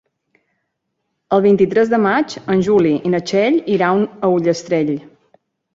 El vint-i-tres de maig en Juli i na Txell iran a Ullastrell.